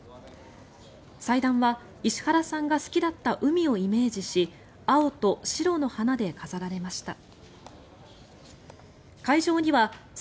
祭壇は石原さんが好きだった海をイメージし青と白の花で飾られました。